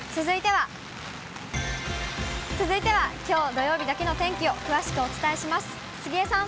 続いては、きょう土曜日だけの天気を詳しくお伝えします。